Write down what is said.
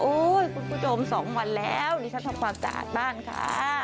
โอ้ยคุณผู้โจมสองวันแล้วดิฉันทำฝากจากบ้านค่ะ